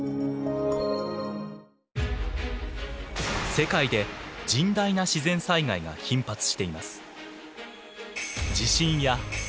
世界で甚大な自然災害が頻発しています。